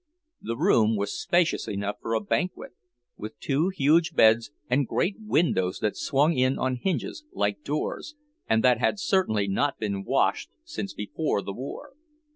The room was spacious enough for a banquet; with two huge beds, and great windows that swung in on hinges, like doors, and that had certainly not been washed since before the war.